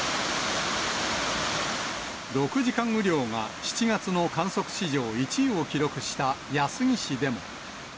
６時間雨量が７月の観測史上１位を記録した安来市でも。